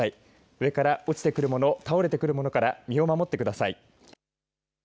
上から落ちてくるもの、倒れてくるものから身を守ってください。